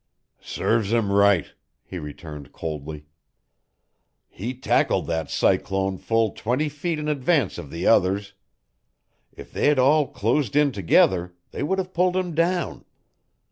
"Serves him right," he returned coldly. "He tackled that cyclone full twenty feet in advance of the others; if they'd all closed in together, they would have pulled him down.